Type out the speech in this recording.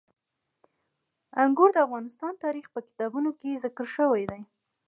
انګور د افغان تاریخ په کتابونو کې ذکر شوي دي.